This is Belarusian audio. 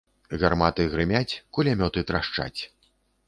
Гарматы грымяць, кулямёты трашчаць.